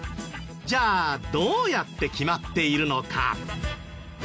じゃあどうやって決まっているのか？